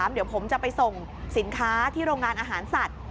เดี๋ยวผมจะไปส่งสินค้าที่โรงงานอาหารสัตว์